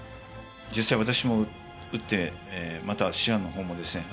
実際私も打ってまた師範の方もですね